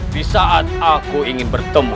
di saat aku ingin bertemu